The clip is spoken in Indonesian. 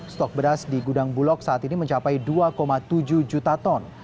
stok beras di gudang bulog saat ini mencapai dua tujuh juta ton